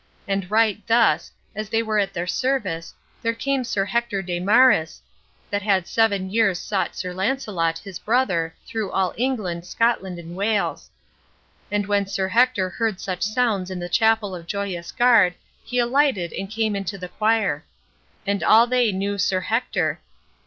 And right thus, as they were at their service, there came Sir Hector de Maris, that had seven years sought Sir Launcelot, his brother, through all England, Scotland and Wales. And when Sir Hector heard such sounds in the chapel of Joyous Garde he alighted and came into the quire. And all they knew Sir Hector.